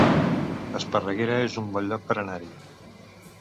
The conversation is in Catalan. Esparreguera es un bon lloc per anar-hi